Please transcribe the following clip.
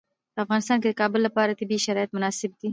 په افغانستان کې د کابل لپاره طبیعي شرایط مناسب دي.